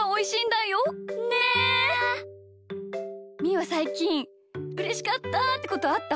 みーはさいきんうれしかったってことあった？